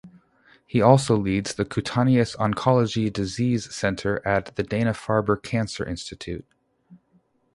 He also leads the Cutaneous Oncology Disease Center at the Dana Farber Cancer Institute.